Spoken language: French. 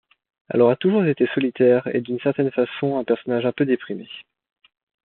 Elle aura toujours été solitaire et d'une certaine façon un personnage un peu déprimé.